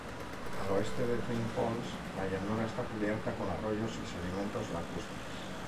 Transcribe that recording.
Al oeste de Twin Falls, la llanura esta cubierta con arroyos y sedimentos lacustres.